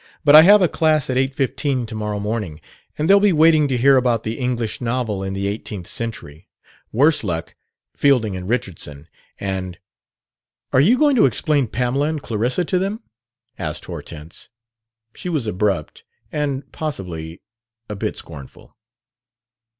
"But I have a class at eight fifteen to morrow morning, and they'll be waiting to hear about the English Novel in the Eighteenth Century, worse luck! Fielding and Richardson and " "Are you going to explain Pamela and Clarissa to them?" asked Hortense. She was abrupt and possibly a bit scornful.